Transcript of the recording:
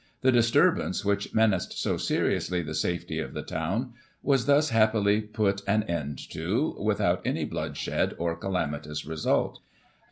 The disturbance which menaced so seriously the safety of the town, was thus happily put an end to, without any bloodshed or calamitous result.